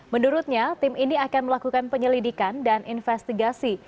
menurutnya tim ini akan melakukan penyelidikan dan investigasi